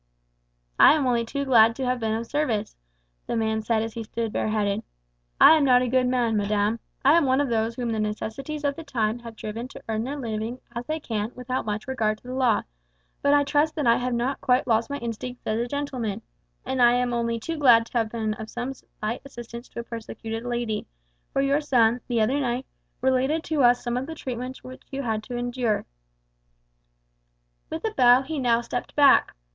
"I am only too glad to have been of service," the man said as he stood bareheaded. "I am not a good man, madame. I am one of those whom the necessities of the times have driven to earn their living as they can without much regard to the law; but I trust that I have not quite lost my instincts as a gentleman, and I am only too glad to have been able to be of some slight assistance to a persecuted lady; for your son, the other night, related to us something of the treatment which you have had to endure." With a bow he now stepped back.